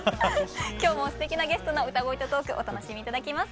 今日もすてきなゲストの歌声とトークお楽しみ頂きます。